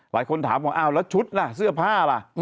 หลายคนถามว่าอ้าวแล้วชุดล่ะเสื้อผ้าล่ะ